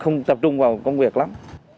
không tập trung vào công việc lắm